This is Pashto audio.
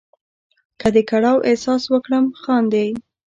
که د کړاو احساس وکړم خاندې.